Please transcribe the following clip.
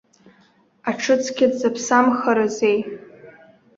Аҽыцқьа дзаԥсамхарызеи!